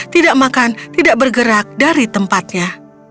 tidak makan tidak bergerak dari tempatnya